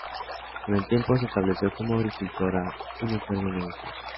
Con el tiempo, se estableció como agricultora y mujer de negocios.